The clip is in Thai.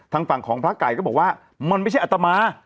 ทางฝั่งของพระไก่ก็บอกว่ามันไม่ใช่อัตมา